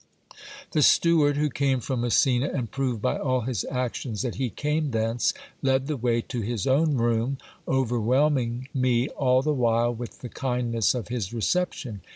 , The steward, who came from Messina, and proved by all his actions that he came thence, led the way to his own room, overwhelming me all the while with the kindness of his reception.